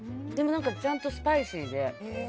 でも、ちゃんとスパイシーで。